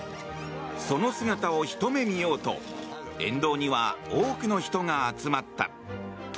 その姿をひと目見ようと沿道には多くの人が集まった。